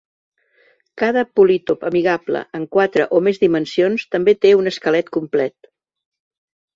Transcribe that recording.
Cada polítop amigable en quatre o més dimensions també té un esquelet complet.